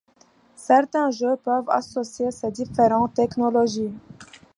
Certains jeux peuvent associer ces différentes technologies.